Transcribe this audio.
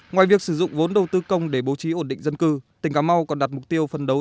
ngoài việc sử dụng vốn đầu tư công để bố trí ổn định dân cư tỉnh cà mau còn đặt mục tiêu phân đấu